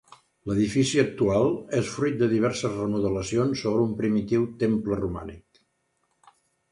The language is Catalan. L'edifici actual és fruit de diverses remodelacions sobre un primitiu temple romànic.